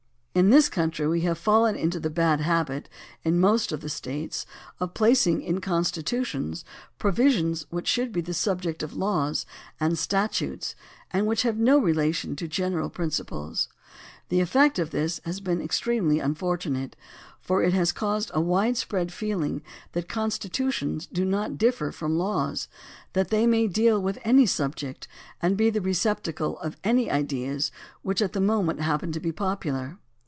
In this country we have fallen into the bad habit in most of the States of placing in constitutions provisions which should be the subject of laws and statutes and which have no relation to general principles. The effect of this has been extremely unfortunate, for it has caused a wide spread feeling that constitutions do not differ from laws; that they may deal with any subject and be the receptacle of any ideas which at the moment happen to be popular.